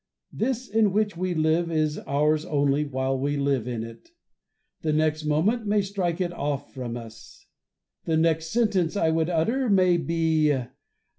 This in which we live is ours only while we live in it ; the next moment may stike it off from us ; the next sentence I would utter may be broken and fall between us.